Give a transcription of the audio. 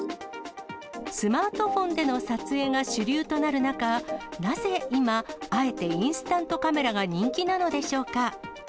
スマートフォンでの撮影が主流となる中、なぜ今、あえてインスタントカメラが人気なのでしょうか。